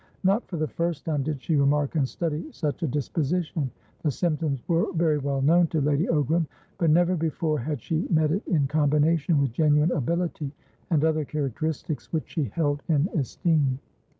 Not for the first time did she remark and study such a disposition; the symptoms were very well known to Lady Ogram; but never before had she met it in combination with genuine ability and other characteristics which she held in esteem.